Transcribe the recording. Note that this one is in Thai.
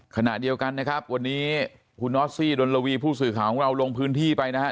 ขณะเดียวกันนะครับวันนี้คุณนอสซี่ดนระวีผู้สื่อข่าวของเราลงพื้นที่ไปนะฮะ